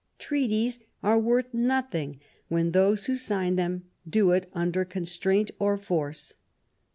Treaties are worth nothing when those who sign them do it under constraint or force."